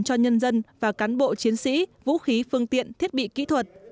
cho nhân dân và cán bộ chiến sĩ vũ khí phương tiện thiết bị kỹ thuật